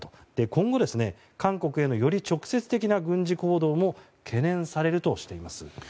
今後、韓国へのより直接的な軍事行動も懸念されるといわれています。